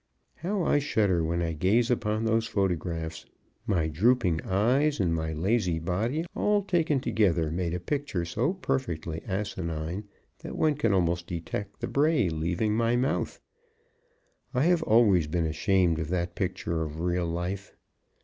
How I shudder, when I gaze upon those photographs; my drooping eyes, and my lazy body all taken together made a picture so perfectly asinine that one can almost detect the bray leaving my mouth. I have always been ashamed of that picture of real life.